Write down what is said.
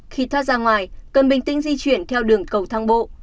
khi thoát ra ngoài cần bình tĩnh di chuyển theo đường cầu thang bộ